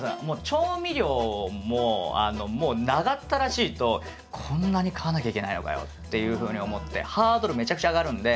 調味料ももう長ったらしいとこんなに買わなきゃいけないのかよっていうふうに思ってハードルめちゃくちゃ上がるんで。